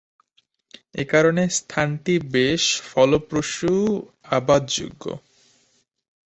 একারণে স্থানটি বেশ ফলপ্রসূ ও আবাদযোগ্য।